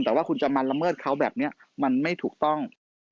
แต่ว่าคุณจะมาละเมิดเขาแบบนี้มันไม่ถูกต้อง